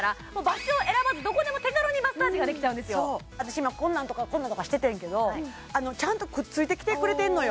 今こんなんとかこんなんとかしててんけどちゃんとくっついてきてくれてんのよ